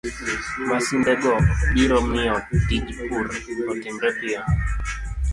Masindego biro miyo tij pur otimre piyo,